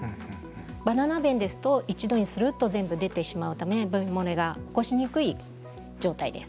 バナナ便ですと一度にするっと全部出てしまいますので便もれを起こしにくい状態です。